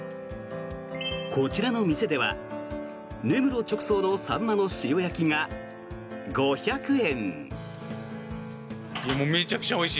こちらの店では根室直送のサンマの塩焼きが５００円。